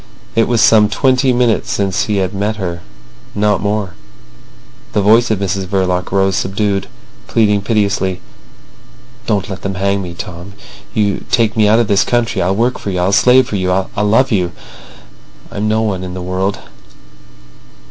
It was some twenty minutes since he had met her—not more. The voice of Mrs Verloc rose subdued, pleading piteously: "Don't let them hang me, Tom! Take me out of the country. I'll work for you. I'll slave for you. I'll love you. I've no one in the world.